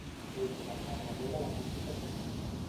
L'eix vertebrador de la política econòmica.